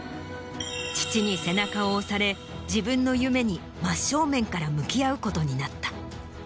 父に背中を押され自分の夢に真っ正面から向き合うことになった。